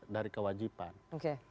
dari kewajiban oke